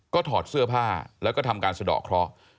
ถอดเสื้อผ้าแล้วก็ทำการสะดอกเคราะห์